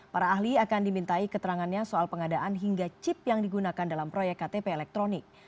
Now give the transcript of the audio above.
para ahli akan dimintai keterangannya soal pengadaan hingga chip yang digunakan dalam proyek ktp elektronik